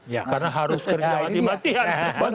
ya karena harus kerja mati matian